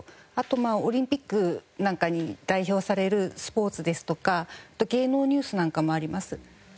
あとまあオリンピックなんかに代表されるスポーツですとか芸能ニュースなんかもあります。